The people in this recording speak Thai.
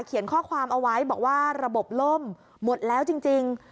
เขียนข้อความเอาไว้บอกว่าระบบล่มหมดแล้วจริง